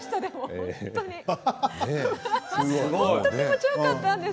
本当に気持ちよかったんです。